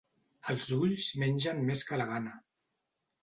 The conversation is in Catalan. Els ulls mengen més que la gana.